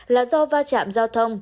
là do va chạm giao thông